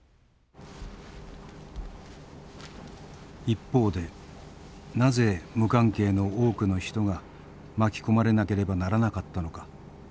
一方でなぜ無関係の多くの人が巻き込まれなければならなかったのか。